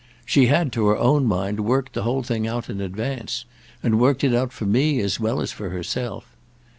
She had, to her own mind, worked the whole thing out in advance, and worked it out for me as well as for herself.